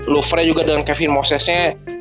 lufrey juga dengan kevin mosesnya